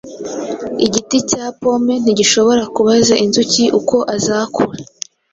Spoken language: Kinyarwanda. Igiti cya pome ntigishobora kubaza inzuki uko azakura